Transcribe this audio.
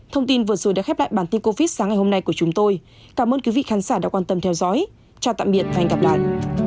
thông tin vừa rồi đã khép lại bản tin covid sáng ngày hôm nay của chúng tôi cảm ơn quý vị khán giả đã quan tâm theo dõi và hẹn gặp lại